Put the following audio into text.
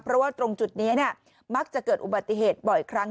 เพราะว่าตรงจุดนี้มักจะเกิดอุบัติเหตุบ่อยครั้ง